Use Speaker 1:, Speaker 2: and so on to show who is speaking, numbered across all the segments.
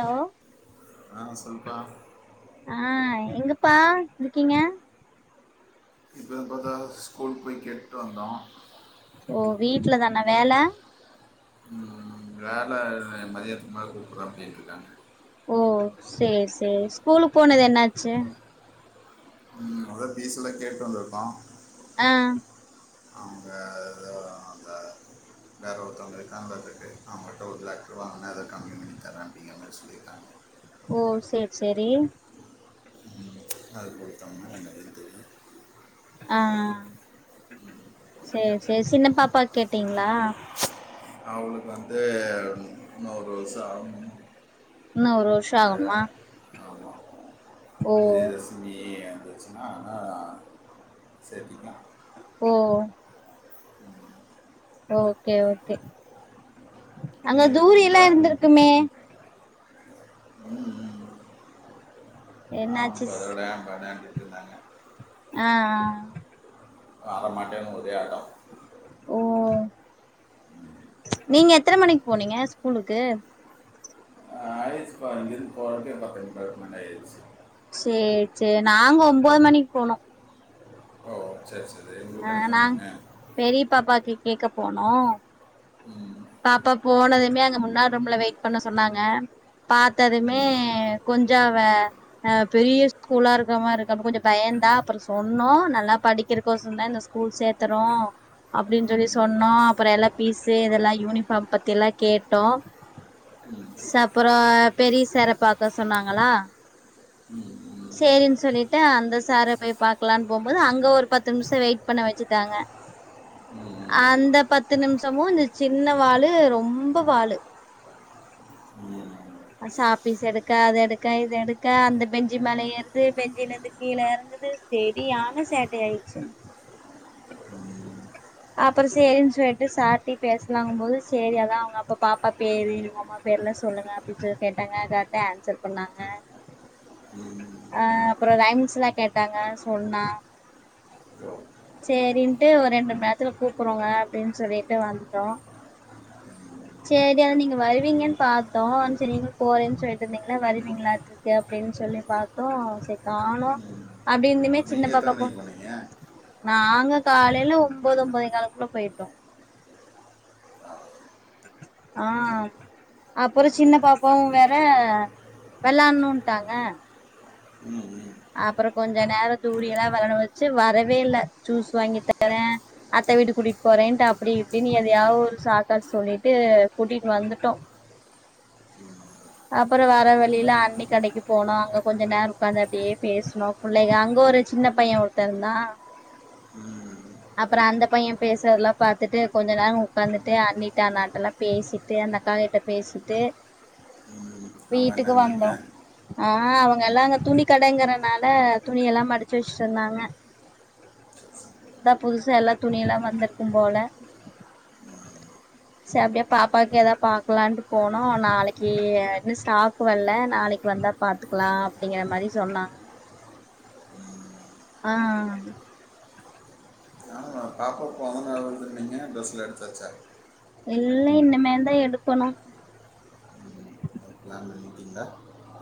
Speaker 1: Hello
Speaker 2: ஆ சொல்லுப்பா
Speaker 1: ஆ எங்கப்பா இருக்கீங்க
Speaker 2: இப்ப பாத்தா ஸ்கூல் போய் கேட்டுட்டு வந்தோ
Speaker 1: ஓ வீட்டுல தானா வேல
Speaker 2: ம், வேல மதியானத்துக்கு மேல கூப்புட்ற அப்டின்னுருக்காங்க
Speaker 1: ஓ சேரி சேரி ஸ்கூலு போனது என்னாச்சு
Speaker 2: ம் அதா பீஸ் எல்லா கேட்டு வந்திருக்கோ
Speaker 1: ஆ
Speaker 2: அங்க அது அங்க
Speaker 1: [unintelligible]
Speaker 2: வேற ஒருத்தங்க [unintelligible] அவங்கள்ட்ட ஒரு லேக்கு வாங்குனே அத கம்மிபண்ணி தரே அப்டிங்கரமாரி சொல்லிருக்காங்க
Speaker 1: ஓ சேர் சேரி
Speaker 2: அது கொடுத்தம்மா என்னது தெரியாது
Speaker 1: ஆ சேர் சேரி சின்ன பாப்பாவ கேட்டீங்ளா
Speaker 2: அவனுக்கு வந்து இன்னொறு வருஷோ ஆவுனு
Speaker 1: இன்னு ஒரு வருஷோ ஆகுனுமா
Speaker 2: ஆமா இது வந்துச்சுன்னா ஆனா சேத்திக்லா
Speaker 1: ஓஹ்
Speaker 2: [unintelligible]
Speaker 1: ஓகே ஓகே
Speaker 2: நீ
Speaker 1: அங்க
Speaker 2: என்ன பண்ணுற
Speaker 1: தூரில்லா இருந்திருக்குமே
Speaker 2: ம் ஆ
Speaker 1: என்னாச்சு
Speaker 2: [unintelligible] கேட்ருந்தாங்க
Speaker 1: ஆ ஆ
Speaker 2: அவ மாட்டேன்னு ஒரே அடோ
Speaker 1: ம் நீங்க எத்தன மணிக்கு போனீங்க ஸ்கூலுக்கு
Speaker 2: அ ஐரிஸ் ஃபார்ம் [unintelligible] ஆயிருச்சி
Speaker 1: சேரி சேரி நாங்க ஒம்போது மணிக்கு போனோ
Speaker 2: ஓ சேரி சேரி
Speaker 1: ஆ நாங் பெரிய பாப்பாக்கு கேக்க போனோ
Speaker 2: உம்
Speaker 1: அப்ப போனதுமே அந்த முன்னாடி ரூம்ல வெயிட் பண்ண சொன்னாங்க பாத்ததுமே
Speaker 2: ம்
Speaker 1: கொஞ்சாவே ஆ பெரிய ஸ்கூலா இருக்குற மாறி இருக்கா அப்ப கொஞ்சோ பயதா அப்புறோ சொன்னோ நல்லா படிக்கிறக்கோச தா இந்த ஸ்கூல் சேத்தறோ அப்டின்னு சொல்லி
Speaker 2: ம்
Speaker 1: சொன்னோ அப்புறோ எல்லா பீஸு இதெல்லா யூனிஃபாம் பத்தில்லா கேட்டோ
Speaker 2: ம் ம்
Speaker 1: ச அப்புறோ பெரிய சார பாக்க சொன்னாங்ளா
Speaker 2: உம்
Speaker 1: சேரின்னு சொல்லிட்டு அந்த சார போய் பாக்கலான்னு போகம்போது அங்க ஒரு பத்து நிமிஷோ வெயிட் பண்ண வச்சுட்டாங்க அந்த பத்து நிமிஷமு இந்த சின்ன வாலு ரொம்ப வாலு
Speaker 2: ம்
Speaker 1: சாக்ப்பீஸு எடுக்க அது எடுக்க இது எடுக்க அந்த பெஞ்சி மேல ஏறது பெஞ்சில இருந்து கீழ இற சரியான சேட்ட ஆயிடுச்சு
Speaker 2: உம்
Speaker 1: அப்புறோ சேரின்னு சொல்லிட்டு சார்ட்ட பேசலாங்கும் போது சேரி அதா அவங்க அப்ப பாப்பா பேரு பேர்ல்லா சொல்லுங்க அப்டி சொல்லி கேட்டாங்க எல்லாத்துக்கு ஆன்சர் பண்ணாங்க
Speaker 2: ம்
Speaker 1: ஆ அப்புறோ ரைம்ஸ்ல்லா கேட்டாங்க சொன்னா
Speaker 2: ஹம்
Speaker 1: சேரின்னுட்டு ஒரு ரெண்டு மண் நேரத்துல கூப்பறோங்க அப்டின்னு சொல்லிட்டு வந்துட்டோ
Speaker 2: ம்
Speaker 1: சரி அதா நீங்க வருவீங்கன்னு பாத்தோ சரி நீ போறேன்னு சொல்லிட்டு இருந்தீங்களே வருவீங்களாட்ருக்கு அப்டின்னு சொல்லி பாத்தோ சரி கானோ அப்டி இருந்துமே
Speaker 2: நீங்கள் எத்தனை
Speaker 1: சின்னப்பாப்பாக்கு
Speaker 2: மணிக்கு போனீங்க
Speaker 1: நாங்க காலையில ஒம்பது ஒம்பது காலுக்குள்ள போய்ட்டோ ஆஹ் அப்புறோ சின்ன பாப்பாவு வேற வெளானும்ட்டாங்க
Speaker 2: ம் ம்
Speaker 1: அப்புறோ கொஞ்ச நேரோ தூங்குனிங்னா வளணு வச்சு வரவே இல்ல ஜூஸ் வாங்கி தரே அத்த வீட்டுக்கு கூட்டிட்டு போறேன்ட்டு அப்டி இப்டின்னு எதையாவது ஒரு சாக்கா சொல்லிட்டு கூட்டிட்டு வந்துட்டோ அப்புற வர வழியில அண்ணி கடைக்கு போனோ அங்க கொஞ்ச நேரோ உக்காந்து அப்டியே பேசுனோ புள்ளைக அங்க ஒரு சின்ன பையன் ஒருத்தருந்தா
Speaker 2: உம்
Speaker 1: அப்புற அந்த பைய பேசுறதெல்லா பாத்துட்டு கொஞ்ச நேரம் உக்காந்துட்டு அண்ணிட்ட அண்ணாட்டலா பேசிட்டு அப்டியே அந்த அக்கா கிட்ட பேசிட்டு
Speaker 2: ம் அவங்க
Speaker 1: வீட்டுக்கு
Speaker 2: என்னன்னாங்க
Speaker 1: வந்தோ ஆ அவங்க எல்லா அங்க துணி கடைங்கறனால துணி எல்லா மடிச்சு வச்சிட்டு இருந்தாங்க
Speaker 2: சரி சரி
Speaker 1: இப்பதா புதுசா எல்லா துணிய எல்லா வந்திருக்கு போல சரி அப்டியே பாப்பாக்கு ஏதாது பாக்கலான்ட்டு போனோ நாளைக் கி இன்னு ஸ்டாக்கு வல்ல நாளைக்கு வந்தா பாத்துக்கலா அப்டிங்கற மாறி சொன்னாங் ஆ அ
Speaker 2: பாப்பா பொறந்த நாள் வருதுன்னீங்க டரெஸ்ல்லா எடுத்தாச்சா
Speaker 1: இல்ல இனிமே தா எடுக்கணு
Speaker 2: பிளான் பண்ணிட்டிங்களா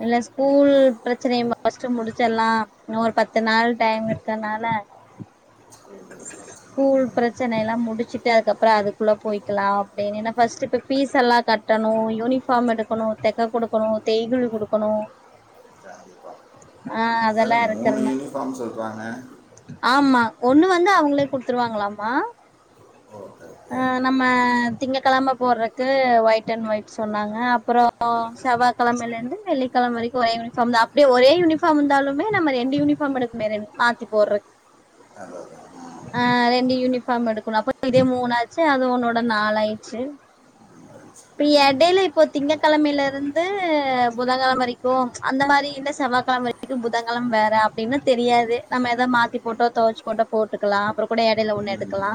Speaker 1: இல்ல ஸ்கூல் பிரச்சனைய பஸ்ட்டு முடிச்சுறலா இன்னு ஒரு பத்து நாள் டைம் இருக்கனால
Speaker 2: உ
Speaker 1: ஸ்கூல் பிரச்சனை எல்லா முடிச்சுட்டு அதுக்கப்புற அதுக்குள்ள போயிக்கலா அப்டின்னு ஏன்னா ஃபர்ஸ்ட் இப்ப பீஸ் எல்லா க கட்டணு யூனிபார் எடுக்கணு தெக்க கொடுக்கணு தேய்கூலி கொடுக்கணு
Speaker 2: கண்டிப்பா
Speaker 1: ஆ அதெல்லா இருக்குறன
Speaker 2: ஃபம் சொல்றாங்க
Speaker 1: ஆமா ஒண்ணு வந்து அவங்களே குடுத்துருவாங்களாம
Speaker 2: ஓகே ஓகே
Speaker 1: ஆ நம்ம திங்க கிழம போடுறக்கு ஒயிட் அண்ட் ஒயிட் சொன்னாங்க அப்புறோ ஆ செவ்வா கிழம இருந்து வெள்ளிக்கிழம வரை ஒரே யூனிபார்ம் தா அப்டிய ஒரே யூனிபார்ம் இருந்தலுமே நம்ம ரெண்டு யூனிஃபார்ம் எடு கணுமே மாத்தி போறக்கு
Speaker 2: அதான் அதான்.
Speaker 1: ஆ ரெண்டு யூனிஃபார் எடுக்கணு அப்ப இதே மூணு ஆச்சு அது ஒன்னோட நாலாயச்சு
Speaker 2: [inaudible]
Speaker 1: இப்ப எடயில இப்ப திங்ககெழமையில இருந்து புதன்கெழமை வரைக்கு அந்தக் மாரி இல்ல செவ்வாய்கிழம வரைக்கு இது புதங்கழ வேற அப்டின்னு தெரியாது நம்ம எதோ மாத்தி போட்டோ தோச் கொண்ட போட்டுக்கலா அப்புற கூட எடையில ஒண்ணு
Speaker 2: ம்.
Speaker 1: எடுக்கலா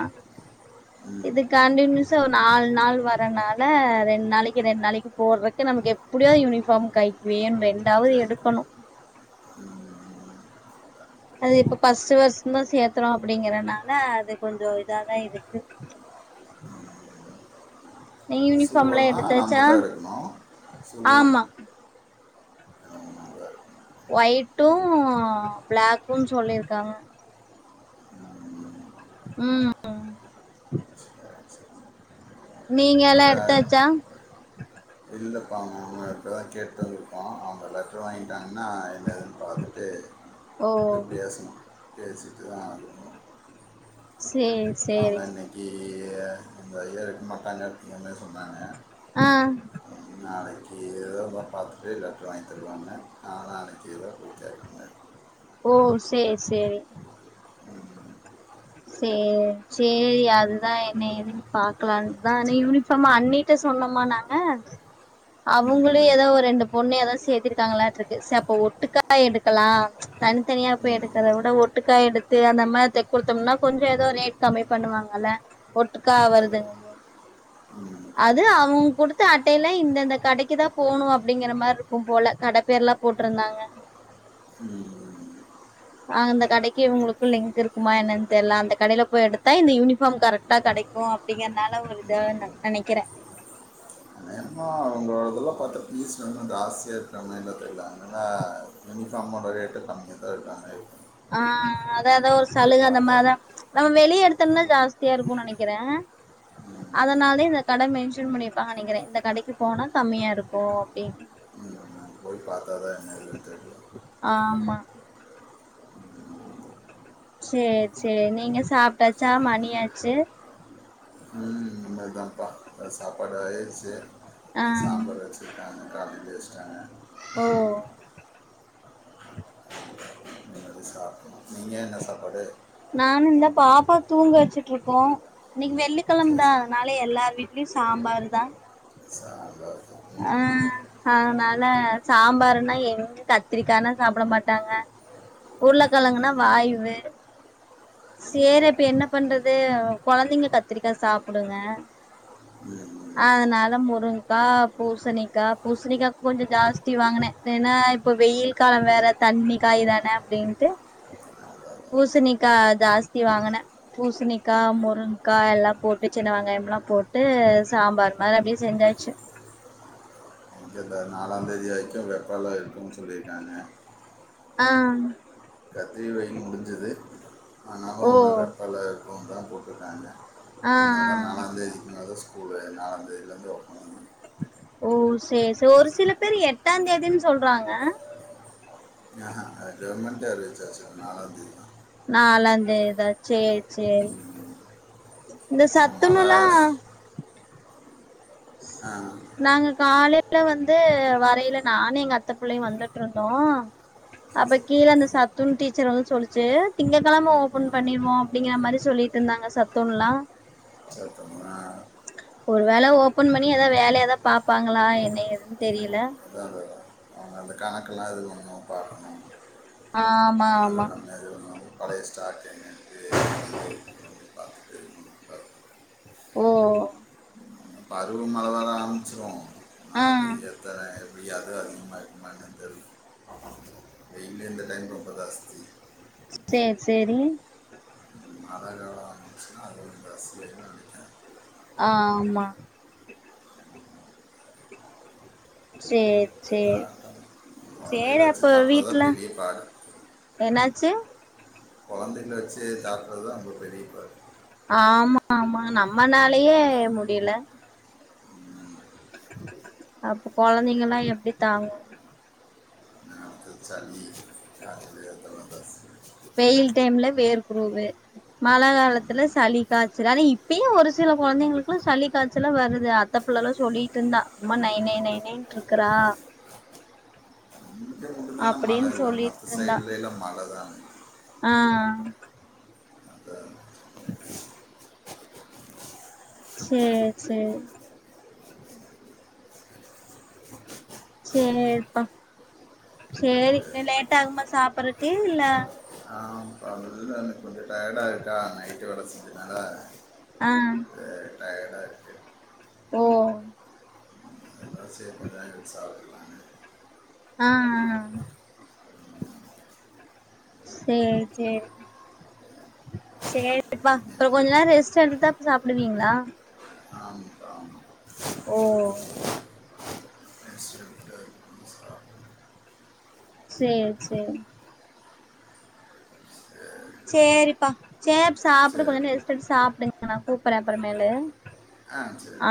Speaker 2: ம்
Speaker 1: இது
Speaker 2: ம்
Speaker 1: கண்டனியூஸா ஒரு நாலு நாள் வரறனால ரெண்டு நாளைக்கி ரெண்டு நாளைக்கி போடறக்கு நமக்கு எப்டியோ யூனிஃபார்ம் கைக்குவேன்னு ரெண்டாவது
Speaker 2: ரைட்
Speaker 1: எடுக்கணு
Speaker 2: ம்
Speaker 1: அது இப்ப பஸ்டு வரஷோதா சேத்துறோ அப்டிங்கறனால அது கொஞ்சோ இதாதா இருக்கு நீ யூனிபார்ம் எல்லாம
Speaker 2: ஷூவெல்லாம் நம்ம
Speaker 1: எடுத்தாச்சா
Speaker 2: தான் எடுக்கணும் ஷூ
Speaker 1: ஆமா
Speaker 2: நம்ம தான் எடுக்கணும்.
Speaker 1: ஒயிட்டு பிளாக்குன்னு சொல்லியிருக்காங்க
Speaker 2: ம்.
Speaker 1: ம்
Speaker 2: சரி, சரி.
Speaker 1: நீங்க எல்லா
Speaker 2: அக்கா
Speaker 1: எடுத்தாச்சா
Speaker 2: இல்லைப்பா நாங்க இப்ப தா கேட்டு வந்திருக்கோ அவங்க எல்லாரு சும் வாங்கிட்டாங்கன்னா என்ன ஏதுன்னு பாத்துட்டு
Speaker 1: ஓ
Speaker 2: போய் பேசணு பேசிட்டுதா போனு
Speaker 1: சரி
Speaker 2: அவங்க இன்னைக்கி இந்த இயரு இருக் மட்டாங்கன்னுதா சொன்னாங்க
Speaker 1: ஆ
Speaker 2: நாளைக்கு இத பாத்துட்டு லெட்டரு வாங்கி தருவாங்க நாளானக்கி இத [unintelligible]
Speaker 1: ஓ சேரி சேரி சேரி சேரி அதுதா என்ன எதுன்னு பாக்கலாதா ஆனா யூனி சும்மா அண்ணிட்ட சொன்னோம்மா நாங்க
Speaker 2: ம்
Speaker 1: அவுங்களு ஏதோ ஒரு ரெண்டு பொண்ணு எதாவ்து சேத்துக்கிட்டாங்களாட்டு இருக்கு ச அப்ப ஒட்டுக்கா எடுக்கலா தனித்தனியா போய்
Speaker 2: ம்
Speaker 1: எடுக்கறத வுட ஒட்டுக்கா எடுத்து அந்தம்மாட்ட குடுத் விட்டோம்னா கொஞ்சோ எதோ ரேட் கம்மி பண்ணுவாங்கள்ல ஒட்டுக்கா
Speaker 2: ஹலோ
Speaker 1: வருதுங்க போது
Speaker 2: ம்
Speaker 1: அது
Speaker 2: கண்டிப்பாக
Speaker 1: அவுங்க குடுத்த அட்டயில இந்தந்த கடைக்கு தா போணு அப்டிங்கிற மாரிருக்கு போல கட பேர்லா போட்டுருந்தாங்க
Speaker 2: ம்
Speaker 1: அ அந்த கடைக்கு இவுங்களுக்கு லிங்க் இருக்குமா என்னன்னு தெரில அந்த கடையில போய் எடுத்தா இந்த யூனிஃபார்ம் கரக்ட் டா கெடைக்கு அப்டிங்கிறனால ஒரு இதா நெனைக்கிறே
Speaker 2: யேமா அவுங்கோ அதெல்லா பாத்தா ஃபிஸ் வேணுன்ற ஆசியா இருக்கிற [unintelligible] என்ன தெரியல அங்கனா யூனிஃபார்மோ ரேட்ட கம்மியா அத்தானே
Speaker 1: ஆ அதாதா ஒரு சலுக அந்த
Speaker 2: பார்த்தா
Speaker 1: மாரிதா நம்ம வெளிய எடுத்தோம்னா ஜாஸ்தியா இருக்கு நெனக்கிறே
Speaker 2: ம்,
Speaker 1: அதனாலே இந்த கடை மென்ஷன் பண்ணிருப்பாங்க நெனக்கிறே இந்த கடைக்கு போனா கம்மியாருக்கு அப்டின்னு ம்
Speaker 2: போய் பாத்தா தா என்ன இல்ல தெரியு
Speaker 1: ஆமா செர் செரி நீங்க சாப்ட்டாச்சா மணியாச்சு
Speaker 2: ம் இனிமேதாப்பா இப்ப சாப்பாடு அயிற்ச்சு
Speaker 1: ஆ
Speaker 2: சாம்பார் வச்சுற்காங்க. காலைலே வஸ்ட்டாங்க
Speaker 1: ஓ
Speaker 2: போய் சாப்ணு நீஙக என்ன சாப்பாடு
Speaker 1: நானு இந்த பாப்பாவ தூங்க வச்சுட்டுருக்கோ இன்னிக்கு வெள்ளிக்கெழம
Speaker 2: சரி
Speaker 1: தா
Speaker 2: சரி.
Speaker 1: அத்னால எல்லார் வீட்லயு சாம்பாரு தா
Speaker 2: சாம்பாருதா
Speaker 1: ஆ அத்னால சாம்பாருன்னா எங்க கத்திரிக்கானா சாப்ட மாட்டாங்க உருளக்கெழங்குன்னா வாய்வு சேற இப்ப என்ன பண்றது கொழந்தைங்க கத்திரிக்காய் சாப்புடுங்க
Speaker 2: உம்
Speaker 1: அத்னால முருங்கா பூசணிக்கா பூசணிக்கா கொஞ்சோ ஜாஸ்தி வாங்குனே ஏன்னா இப்ப வெயில் காலம் வேற தண்ணி காய் தான அப்டின்ட்டு பூசணிக்கா ஜாஸ்தி வாங்குனே பூசணிக்கா முருங்கா எல்லா போட்டு சின்ன வெங்காயம் எல்லா போட்டு சாம்பார் மேல அப்டியே செஞ்சாச்சு
Speaker 2: இதில நாலாந்தேதி ஆய்ச்சுனா வெப்போல்லா இருக்குனு சொல்லிருக்காங்க
Speaker 1: ஆ
Speaker 2: கத்திரி வெயில் முடுஞ்சது
Speaker 1: ஓ
Speaker 2: அப்பால இருக்கு அதான் போட்டுருக்காங்க
Speaker 1: ஆ
Speaker 2: அத்னால
Speaker 1: ஆ
Speaker 2: நாலாந்தேதிக்கு மேல ஸ்கூலு நாலாந்தேதிலேருந்து ஒப்னாவும்
Speaker 1: ஓ செரி செர் ஒரு சில பேரு எட்டாம் தேதின்னு சொல்றாங்க
Speaker 2: அது கவர்மெண்ட் அறுவிச்சாட்சு நாலாம் தேதி
Speaker 1: நாலாம்ந்தேதிதா செரி செரி இந்த
Speaker 2: மழை
Speaker 1: சத்துணுவுலா
Speaker 2: ஆ
Speaker 1: நாங்க காலைல வந்து வரையல நானு எங்க அத்த புள்ளையு வந்துட்டுருந்தோ அப்ப கீழ அந்த சத்துன் டீச்சர் வந்து சொல்லுச்சு திங்கக்கிழம ஓபன் பண்ணிர்வோ அப்டிங்குற மாத்ரி சொலி இதுக் நாங்க சத்துர்லா
Speaker 2: [unintelligible]
Speaker 1: ஒரு வேள ஓபன் பண்ணி ஏதாவது வேல ஏதாவது பாப்பாங்ளா என்ன ஏதுன்னு தெரியல
Speaker 2: [unintelligible] அந்த கணக்கெலா இதூவூ நம்ம பாக்ணோ
Speaker 1: ஆ மா மா
Speaker 2: எதூ வொணா வரூ பழய ஸ்டாக்குங்க பார்க்கணும்
Speaker 1: ஓ
Speaker 2: பருவ மழைலா ஆரம்பிச்சிரூ ஆனா
Speaker 1: ஆ
Speaker 2: அது இருக்காது [unintelligible] எப்படி அதுவே அதிகமா இருக்குமான் தெர்ல் வெயீல் [unintelligible] ரொம்ப தாஸ்த்தி
Speaker 1: சேர் செரி
Speaker 2: மரங்களும் அது பிரஸ் செய்வாங்க
Speaker 1: ஆம்மா சேர் சேர்
Speaker 2: குழந்தைகளை
Speaker 1: சேரி
Speaker 2: வச்சு
Speaker 1: அப்ப
Speaker 2: தாட்டுறதா
Speaker 1: வீட்ல
Speaker 2: பெரிய பாடு
Speaker 1: என்னாச்சு
Speaker 2: கெழந்தைகள வெச்சி தாட்றது தான் அப்ப [unintelligible]
Speaker 1: ஆமா ஆமா நம்மனாலயே முடியல அப் கொழந்தைங்கல்லா எப்புடி தாங்கூ
Speaker 2: [unintelligible] [unintelligible] டிரஸ்
Speaker 1: வெயில் டைம்ல வேர்க்குரூவு மல காலத்துல சளி காய்ச்சலு ஆனா இப்பயே ஒரு சில குழந்தைங்களுக்ளா சளி காய்ச்சல்லா வருதா ஏ பிள்ளல்லா சொல்லிட்டு இருந்தா அம்மா நைய் நைய் நைய்ன்ட்டு இருக்குறா
Speaker 2: அ [unintelligible]
Speaker 1: அப்டின்னு
Speaker 2: மத்த
Speaker 1: சொல்லிட்டு இருந்தா
Speaker 2: சைட்ல்லெல்லா மழ தா
Speaker 1: ஆ
Speaker 2: அதான்
Speaker 1: ம் சேரி சேரிப்பா சேரி
Speaker 2: இல்லை
Speaker 1: லேட்டா ஆகுமா சாப்பிறக்கு இல்ல
Speaker 2: ஆம் அதுல தா எனக்கு கொஞ்சொ டயர்ட் [unintelligible] இருக்கா நைட்டு வேல செஞ்சதுனால
Speaker 1: ஆ
Speaker 2: டயர்டாக இருக்கு
Speaker 1: ஓ
Speaker 2: [unintelligible] [unintelligible]
Speaker 1: அ ஆ சேரி சேரி சேரிப்பா அப்புறோ கொஞ்சொ நேரோ ரெஸ்ட் எடுத் தா சாப்பிடுவீங்களா
Speaker 2: ஆம் [unintelligible]
Speaker 1: ஓ
Speaker 2: [unintelligible] ஆ
Speaker 1: சேர் சேரி சேரிப்பா சேர் சாப்பிடு
Speaker 2: சரி
Speaker 1: கொஞ்சொ நேரோ ரெஸ்ட் எடுத்து சாப்டு நா கூப்பறே அப்புறமேல
Speaker 2: ஆ செரி